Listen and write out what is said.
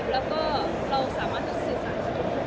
แล้วพี่เราสามารถสื่อสารกันเท่าทุกคนได้